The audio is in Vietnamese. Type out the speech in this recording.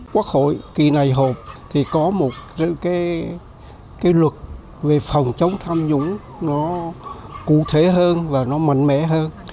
quốc hội kỳ này họp thì có một cái luật về phòng chống tham nhũng nó cụ thể hơn và nó mạnh mẽ hơn